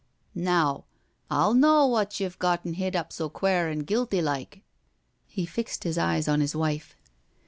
Now I'll knaw wot you've gotten hid up so quair an' guilty like." He fixed his eye on his wife.